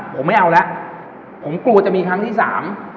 ผมไม่เอาแล้วผมกลัวจะมีครั้งที่สาม